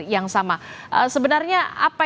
yang sama sebenarnya apa